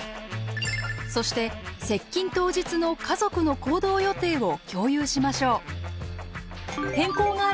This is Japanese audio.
そして接近当日の家族の行動予定を共有しましょう。